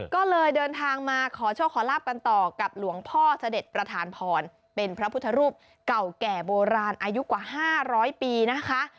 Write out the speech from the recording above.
ก็เลยเดินทางมาขอโชคขอลาบกันต่อกับหลวงพ่อเสด็จประธานพรเป็นพระพุทธรูปเก่าแก่โบราณอายุกว่า๕๐๐ปีนะคะ